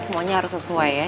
semuanya harus sesuai ya